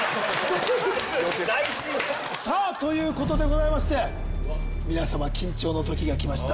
さぁということでございまして皆さま緊張の時が来ました。